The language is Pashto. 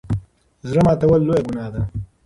زړه ماتول لويه ګناه ده.